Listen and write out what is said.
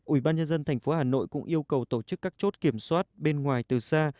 ủy ban nhân dân thành phố hà nội cũng yêu cầu tổ chức các chốt kiểm soát bên ngoài từ xa